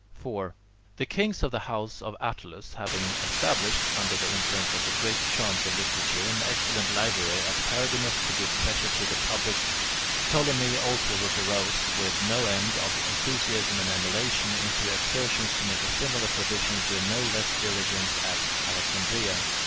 4. The kings of the house of Attalus having established, under the influence of the great charms of literature, an excellent library at Pergamus to give pleasure to the public, Ptolemy also was aroused with no end of enthusiasm and emulation into exertions to make a similar provision with no less diligence at Alexandria.